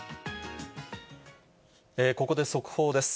ここで速報です。